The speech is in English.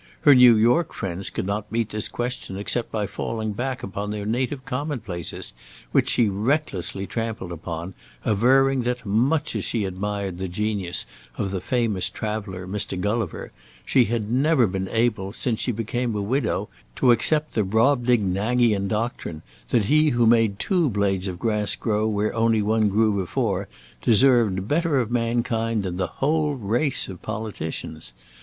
Her New York friends could not meet this question except by falling back upon their native commonplaces, which she recklessly trampled upon, averring that, much as she admired the genius of the famous traveller, Mr. Gulliver, she never had been able, since she became a widow, to accept the Brobdingnagian doctrine that he who made two blades of grass grow where only one grew before deserved better of mankind than the whole race of politicians.